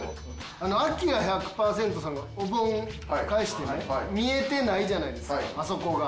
アキラ１００％さんがお盆返してね見えてないじゃないですかあそこが。